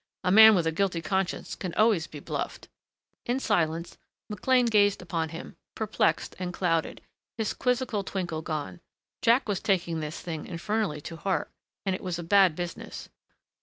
A man with a guilty conscience can always be bluffed." In silence McLean gazed upon him, perplexed and clouded, his quizzical twinkle gone. Jack was taking this thing infernally to heart.... And it was a bad business.